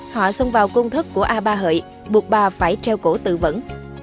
họ xông vào công thức của a ba hợi buộc bà phải treo cổ tự vẫn